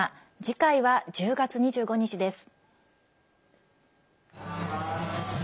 次回は１０月２５日です。